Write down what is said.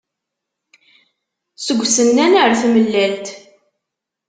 Seg usennan ar tmellalt.